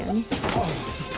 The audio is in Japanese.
ああ。